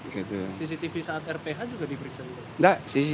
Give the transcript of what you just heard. cctv saat rph juga diperiksa